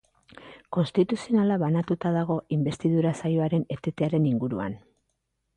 Konstituzionala banatuta dago inbestidura saioaren etetearen inguruan.